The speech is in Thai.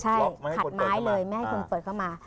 ใช่ขัดไม้เลยไม่ให้คุณเปิดเข้ามา